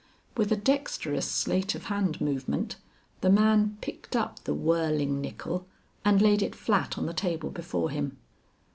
With a dexterous sleight of hand movement, the man picked up the whirling nickle and laid it flat on the table before him.